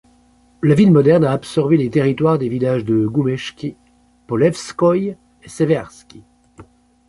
La ville moderne a absorbé les territoires des villages de Goumechki, Polevskoï et Severski.